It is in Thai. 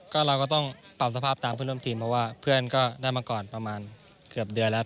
ก็ก็เราก็ต้องปรับสภาพตามผู้ร่วมทีมเพราะว่าเพื่อนก็ได้มาก่อนประมานครับเดือน